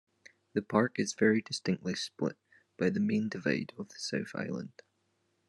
The park is very distinctly split by the main divide of the South Island.